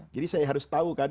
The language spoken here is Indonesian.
jadi saya harus tahu kan